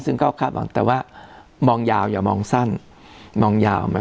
ซึ่งก็คาดหวังแต่ว่ามองยาวอย่ามองสั้นมองยาว